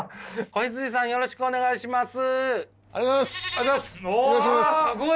大友さんよろしくお願いします。